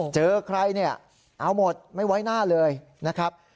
เจอใครเนี่ยเอาหมดไม่ไว้หน้าเลยนะครับ